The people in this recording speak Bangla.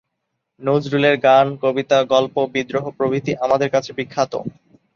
নজরুলের গান, কবিতা, গল্প, বিদ্রোহ প্রভৃতি আমাদের কাছে বিখ্যাত।